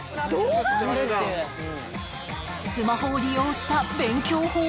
スマホを利用した勉強法が